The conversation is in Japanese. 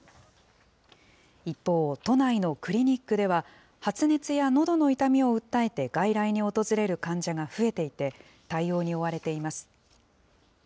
一方、都内のクリニックでは、発熱やのどの痛みを訴えて外来に訪れる患者が増えていて、対応に追われています。